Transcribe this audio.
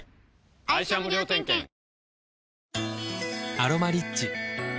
「アロマリッチ」